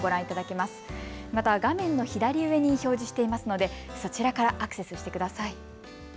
また画面の左上に表示していますので、そちらからアクセスしてください。